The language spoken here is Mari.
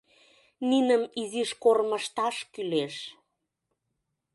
Ниным изиш кормыжташ кӱлеш.